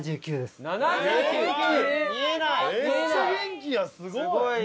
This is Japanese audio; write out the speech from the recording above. すごい！